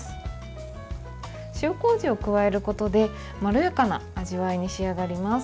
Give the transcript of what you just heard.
塩こうじを加えることでまろやかな味わいに仕上がります。